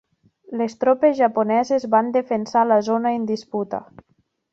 Les tropes japoneses van defensar la zona en disputa.